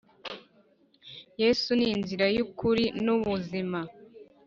Yesu ni inzira, ukuri, n’ubuzima